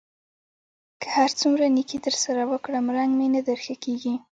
که هر څومره نېکي در سره وکړم؛ رنګ مې نه در ښه کېږي.